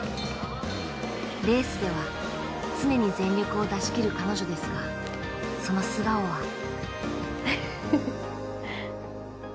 レースでは常に全力を出し切る彼女ですがその素顔は。